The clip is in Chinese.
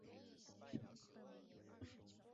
蒙古族。